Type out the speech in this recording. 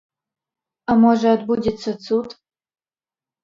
А можа, адбудзецца цуд?